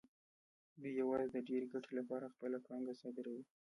دوی یوازې د ډېرې ګټې لپاره خپله پانګه صادروي